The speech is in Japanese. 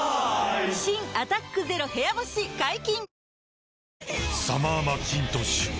新「アタックＺＥＲＯ部屋干し」解禁‼